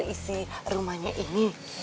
isi rumahnya ini